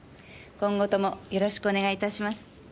今後ともよろしくお願いいたします。